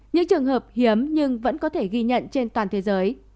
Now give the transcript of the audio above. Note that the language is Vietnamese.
những trường hợp hiếm nhưng vẫn có thể ghi nhận trên toàn thế giới